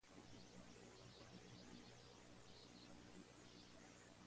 Por su matrimonio, Margarita era condesa consorte de Évreux.